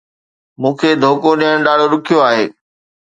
مون کي دوکو ڏيڻ ڏاڍو ڏکيو آهي